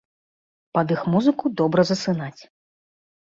Пад іх музыку добра засынаць.